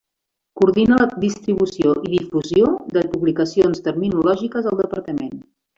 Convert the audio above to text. Coordina la distribució i difusió de publicacions terminològiques al Departament.